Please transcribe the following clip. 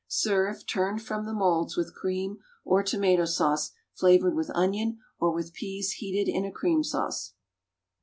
Serve, turned from the moulds, with cream or tomato sauce, flavored with onion, or with peas heated in a cream sauce.